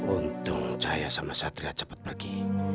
untung cahaya sama satria cepat pergi